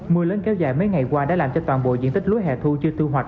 mưa lớn kéo dài mấy ngày qua đã làm cho toàn bộ diện tích lúa hẻ thu chưa tiêu hoạch